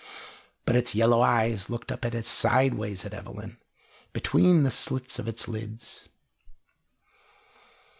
But its yellow eyes looked up sideways at Evelyn, between the slits of its lids.